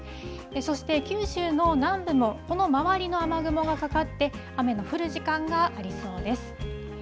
そして九州の南部も、この周りの雨雲がかかって、雨の降る時間がありそうです。